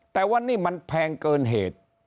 แต่ว่านี่มันแพงเกินเหตุ